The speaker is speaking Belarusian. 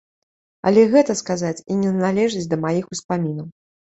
Але гэта, сказаць, і не належыць да маіх успамінаў.